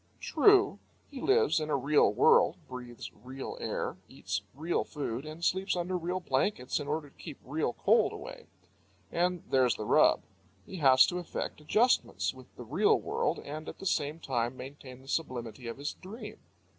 True, he lives in a real world, breathes real air, eats real food, and sleeps under real blankets, in order to keep real cold away. And there's the rub. He has to effect adjustments with the real world and at the same time maintain the sublimity of his dream.